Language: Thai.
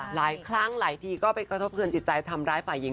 หลายครั้งหลายทีก็ไปกระทบเทือนจิตใจทำร้ายฝ่ายหญิง